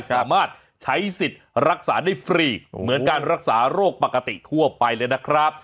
สามารถใช้สิทธิ์รักษาได้ฟรีเหมือนการรักษาโรคปกติทั่วไปเลยนะครับ